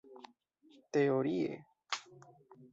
teorie